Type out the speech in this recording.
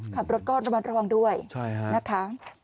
ขับรถก็ต้องมาระวังด้วยนะคะ